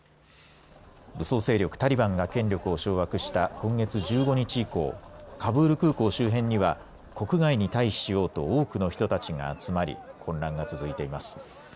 武装勢力タリバンが権力を掌握した今月１５日以降カブール空港周辺には国外に退避しようと多くの人たちが集まり混乱が続いています。